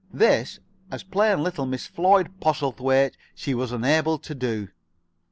This as plain little Miss Floyd Poselthwaite she was unable to do.